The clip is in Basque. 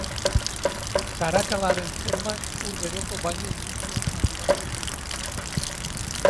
Karakalaren Termak ur beroko bainu multzo handi bat ziren.